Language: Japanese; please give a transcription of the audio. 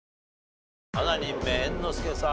７人目猿之助さん